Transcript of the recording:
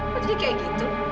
kok jadi kayak gitu